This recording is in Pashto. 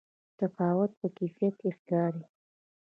تفاوت په کیفیت کې ښکاري.